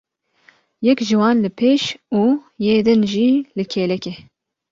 Yek ji wan li pêş û yê din jî li kêlekê.